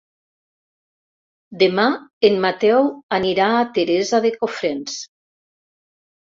Demà en Mateu anirà a Teresa de Cofrents.